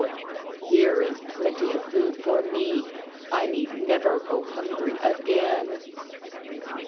Here is plenty of food for me! I need never go hungry again!'